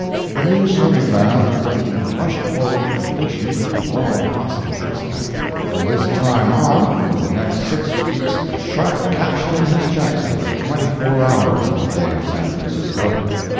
The new swimming bath was being rushed forward to completion with all possible dispatch. From this time on, for the next six weeks a shark cashed in his checks every twenty four hours in the Bay of San Francisco.